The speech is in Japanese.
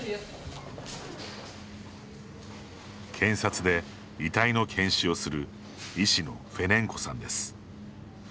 検察で遺体の検視をする医師のフェネンコさんです。